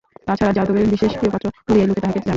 তা ছাড়া, যাদবের বিশেষ প্রিয়পাত্র বলিয়াই লোকে তাহাকে জানে।